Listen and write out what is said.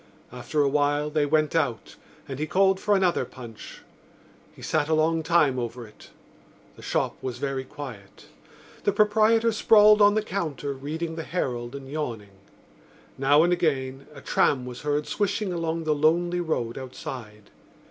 After a while they went out and he called for another punch. He sat a long time over it. The shop was very quiet. The proprietor sprawled on the counter reading the Herald and yawning. Now and again a tram was heard swishing along the lonely road outside.